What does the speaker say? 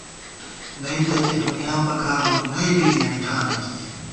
نئ تہ کی دُنیا پکار بوئیت ، نئ بی دېبَن ٹھانہ کی